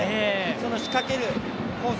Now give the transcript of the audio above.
その仕掛けるコース